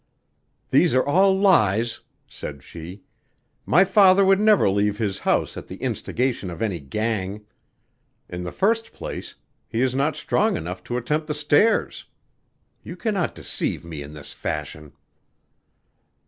"These are all lies," said she. "My father would never leave his house at the instigation of any gang. In the first place, he is not strong enough to attempt the stairs. You cannot deceive me in this fashion."